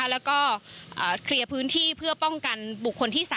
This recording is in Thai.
แล้วก็เคลียร์พื้นที่เพื่อป้องกันบุคคลที่๓